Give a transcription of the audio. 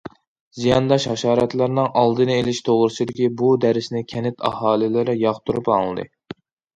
زىيانداش ھاشاراتلارنىڭ ئالدىنى ئېلىش توغرىسىدىكى بۇ دەرسنى كەنت ئاھالىلىرى ياقتۇرۇپ ئاڭلىدى.